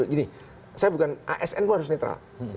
gini saya bukan asn itu harus netral